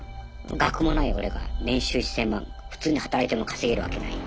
学もない俺が年収１，０００万普通に働いても稼げるわけない。